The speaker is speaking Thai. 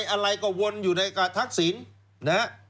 อะไรก็วนอยู่ในทักศิลป์นะ